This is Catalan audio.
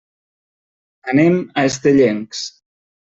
Anem a Estellencs.